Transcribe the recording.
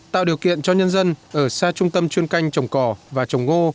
tạo điều kiện cho nhân dân ở xa trung tâm chuyên canh trồng cỏ và trồng ngô